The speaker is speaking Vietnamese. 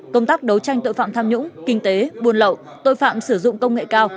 công tác đấu tranh tội phạm tham nhũng kinh tế buôn lậu tội phạm sử dụng công nghệ cao